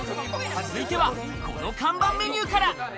続いては、この看板メニューから。